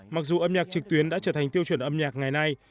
mặc dù âm nhạc trực tuyến đã trở thành tiêu chuẩn âm nhạc ngày nay